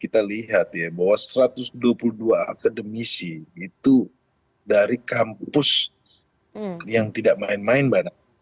kita lihat ya bahwa satu ratus dua puluh dua akademisi itu dari kampus yang tidak main main mbak nana